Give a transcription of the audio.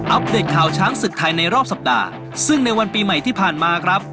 เดตข่าวช้างศึกไทยในรอบสัปดาห์ซึ่งในวันปีใหม่ที่ผ่านมาครับ